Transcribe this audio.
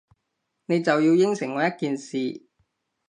你就要應承我一件事